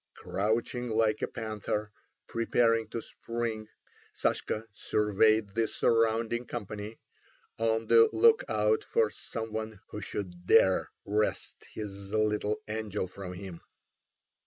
Crouching like a panther preparing to spring, Sashka surveyed the surrounding company, on the look out for some one who should dare wrest his little angel from him.